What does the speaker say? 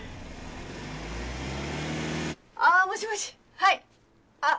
あもしもしはいあっ